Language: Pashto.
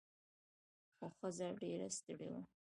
خو ښځه ډیره ستړې وه.